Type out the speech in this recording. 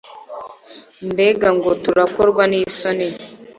Mbega ngo turakorwa n isoni